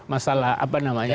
masalah apa namanya